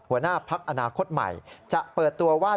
หัวหน้าพักอนาคตใหม่จะเปิดตัวว่า